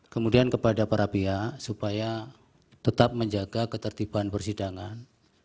kemudian kepada para pihak supaya tetap menjaga ketertiban persidangan